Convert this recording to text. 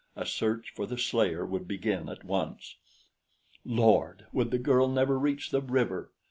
A search for the slayer would begin at once. Lord! Would the girl never reach the river?